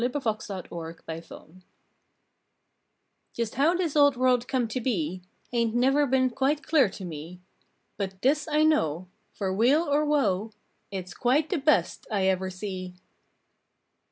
July Twelfth SATISFACTION JEST how this old world come to be *^ Hain t never been quite clear to me, But this I know Fer weal or woe It s quite the best I ever see!